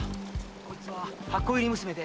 こいつは箱入り娘で。